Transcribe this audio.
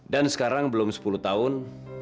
dan sekarang belum sepuluh tahun